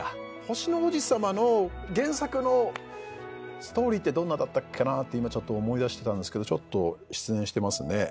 『星の王子さま』の原作のストーリーってどんなだったっけなって今ちょっと思い出してたんですけどちょっと失念してますね。